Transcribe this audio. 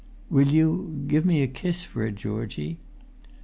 "Will you—give me a kiss for it, Georgie?"